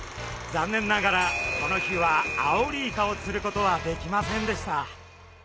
残念ながらこの日はアオリイカを釣ることはできませんでした。